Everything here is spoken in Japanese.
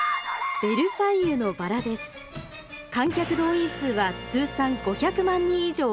観客動員数は通算５００万人以上。